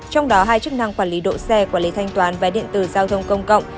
trong đó hai chức năng quản lý độ xe quản lý thanh toán vé điện tử giao thông công cộng